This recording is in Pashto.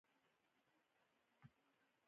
هغوی په عباسي پاڅون کې ښه ونډه واخیسته.